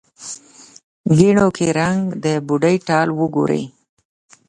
ګېڼو کې رنګ، د بوډۍ ټال وګورې